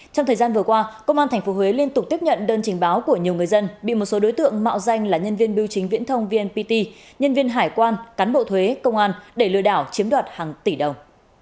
trong thời gian vừa qua công an tp huế liên tục tiếp nhận đơn trình báo của nhiều người dân bị một số đối tượng mạo danh là nhân viên biêu chính viễn thông vnpt nhân viên hải quan cán bộ thuế công an để lừa đảo chiếm đoạt hàng tỷ đồng